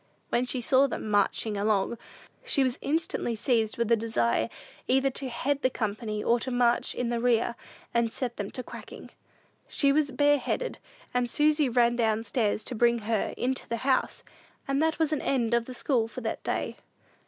When she saw them "marshin' along," she was instantly seized with a desire either to head the company or to march in the rear, and set them to quacking. She was bareheaded, and Susy ran down stairs to bring her into the house; and that was an end of the school for that day.